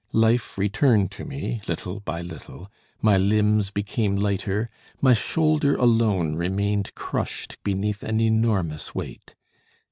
Life returned to me little by little; my limbs became lighter, my shoulder alone remained crushed beneath an enormous weight.